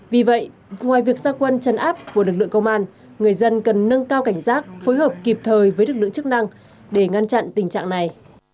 vì vậy ngoài việc gia quân chấn áp của lực lượng công an người dân cần nâng cao cảnh giác phối hợp kịp thời với lực lượng chức năng để ngăn chặn tình trạng này